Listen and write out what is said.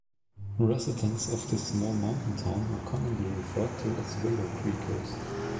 Residents of this small mountain town are commonly referred to as Willow Creekers.